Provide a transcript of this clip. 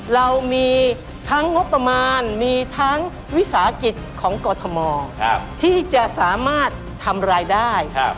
เรามีทั้งงบประมาณมีทั้งวิสาหกิจของกรทมที่จะสามารถทำรายได้